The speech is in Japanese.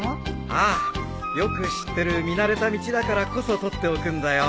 ああよく知ってる見慣れた道だからこそ撮っておくんだよ。